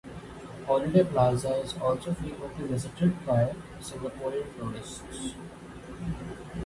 Holiday Plaza is also frequently visited by Singaporean tourists.